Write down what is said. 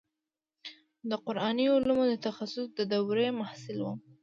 د قراني علومو د تخصص دورې محصل وم.